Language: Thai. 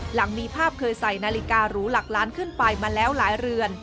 หลังมีภาพเคยใส่นาฬิการูหลักล้านขึ้นไปมาแล้วหลายเรือน